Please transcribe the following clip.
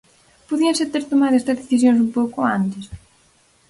Podíanse ter tomado estas decisións un pouco antes?